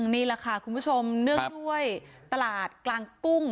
นี่แหละค่ะคุณผู้ชมเนื่องด้วยตลาดกลางกุ้ง